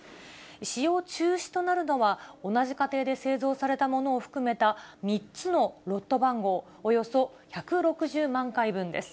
使用中止となるのは、同じ過程で製造されたものを含めた、３つのロット番号、およそ１６０万回分です。